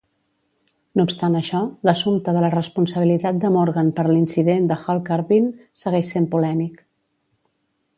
No obstant això, l'assumpte de la responsabilitat de Morgan per l'incident de Hall Carbine segueix sent polèmic.